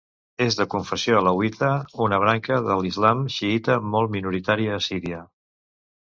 És de confessió alauita, una branca de l'islam xiïta molt minoritària a Síria.